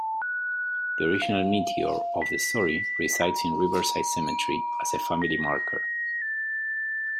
The original meteor of the story resides in Riverside Cemetery as a family marker.